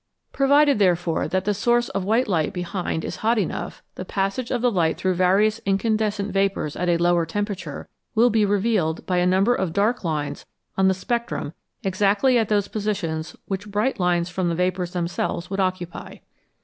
Provided, therefore, that the source of white light behind is hot enough, the passage of the light through various incandescent vapours at a lower temperature will be revealed by a number of dark lines on the spectrum exactly at those positions which bright lines from the vapours themselves would occupy.